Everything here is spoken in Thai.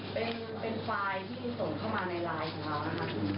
เป็นไฟล์ที่ส่งเข้ามาในไลน์ของเรานะคะ